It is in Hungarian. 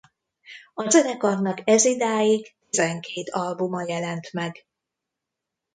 A zenekarnak ezidáig tizenkét albuma jelent meg.